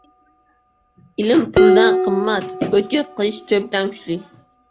• Ilm puldan qimmat, o‘tkir qilich to‘pdan kuchli.